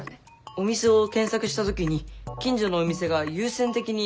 お店を検索した時に近所のお店が優先的に出ることもあるね。